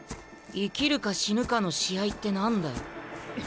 生きるか死ぬかの試合って何だよ？